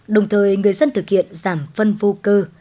đồng thời người dân thực hiện giảm phân vô cơ